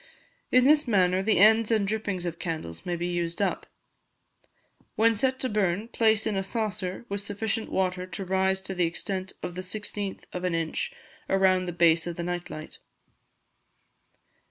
In this manner, the ends and drippings of candles may be used up. When set to burn, place in a saucer, with sufficient water to rise to the extent of the 16th of an inch around the base of the night light.